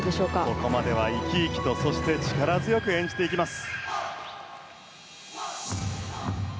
ここまでは生き生きと力強く演じています。